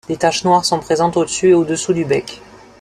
Des taches noires sont présentes au-dessus et au-dessous du bec.